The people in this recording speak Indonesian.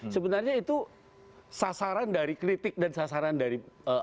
sebenarnya itu sasaran dari kritik dan sasaran dari